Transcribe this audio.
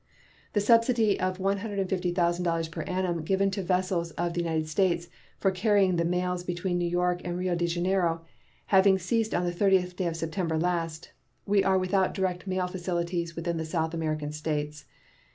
The subsidy of $150,000 per annum given to vessels of the United States for carrying the mails between New York and Rio de Janeiro having ceased on the 30th day of September last, we are without direct mail facilities with the South American States.